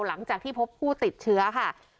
หลังจากที่พบผู้ติดเชื้อค่ะ